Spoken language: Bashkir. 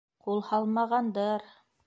Ҡул һалмағанды-ыр.